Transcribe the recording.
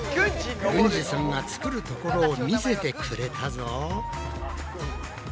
軍司さんが作るところを見せてくれたぞ。